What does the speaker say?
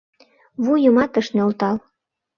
Вуйымат ыш нӧлтал.